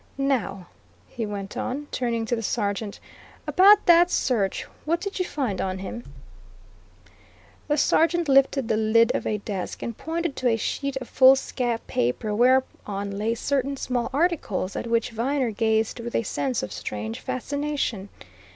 Now," he went on, turning to the sergeant, "about that search? What did you find on him?" The sergeant lifted the lid of a desk and pointed to a sheet of foolscap paper whereon lay certain small articles at which Viner gazed with a sense of strange fascination.